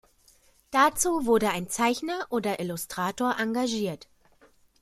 Dazu wurde ein Zeichner oder Illustrator engagiert.